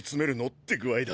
って具合だ！